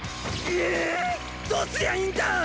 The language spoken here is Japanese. ぐぅどうすりゃいいんだ！